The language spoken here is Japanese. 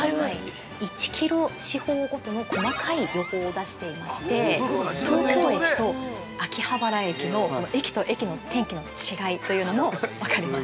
１キロ四方ごとの細かい予報を出していまして、東京駅と秋葉原駅の駅と駅の天気の違いというのも分かります。